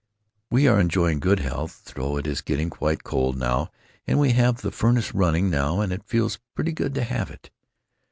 We are enjoying good health, though it is getting quite cold now and we have the furnace running now and it feels pretty good to have it.